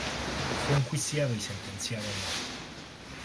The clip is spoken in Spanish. Fue enjuiciado y sentenciado a muerte.